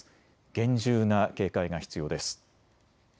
厳重な警戒が必要です。